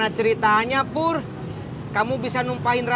pagar dummy pr geopolitik ini